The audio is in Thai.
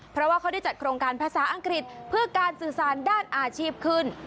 เพราะว่าเขาได้จัดโครงการภาษาอังกฤษเพื่อการสื่อสารด้านอาชีพขึ้น